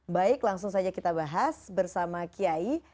baik langsung saja kita bahas bersama kiai